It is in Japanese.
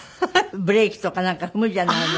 ブレーキとかなんか踏むじゃないの。